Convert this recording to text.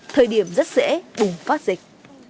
thời điểm rất dễ bùng phát dịch